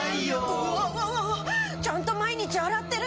うわわわわちゃんと毎日洗ってるのに。